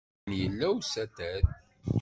Akken yella usatal.